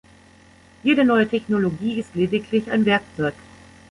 Jede neue Technologie ist lediglich ein Werkzeug.